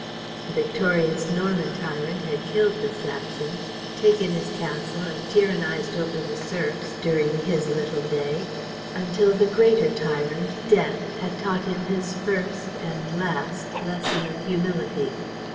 The victorious Norman tyrant had killed the Saxon, taken his castle, and tyrannized over the serfs during his little day, until the greater tyrant, Death, had taught him his first and last lesson of humility.